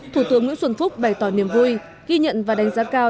thủ tướng nguyễn xuân phúc bày tỏ niềm vui ghi nhận và đánh giá cao